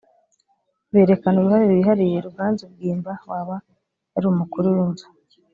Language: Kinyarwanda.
berekana uruhare bihariye ruganzu bwimba waba yari umukuru w inzu